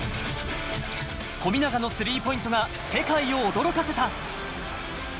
富永のスリーポイントが世界を驚かせた。